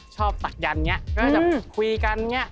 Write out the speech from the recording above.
ศักยันต์อย่างนี้ก็จะคุยกันอย่างนี้